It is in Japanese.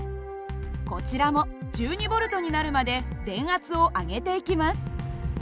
こちらも１２Ｖになるまで電圧を上げていきます。